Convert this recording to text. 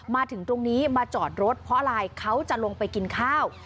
มาถึงตรงนี้มาจอดรถเพราะอะไรเขาจะลงไปกินข้าว